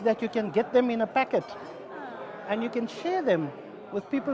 bahwa anda dapat mendapatkannya dalam paket